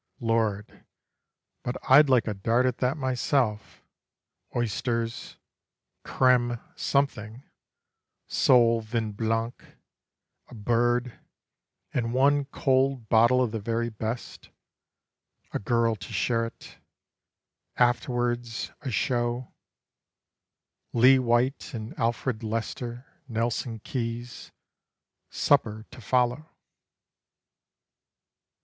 (Lord, but I'd like a dart at that myself Oysters, crême something, sole vin blanc, a bird, And one cold bottle of the very best A girl to share it: afterwards, a show Lee White and Alfred Lester, Nelson Keys; Supper to follow.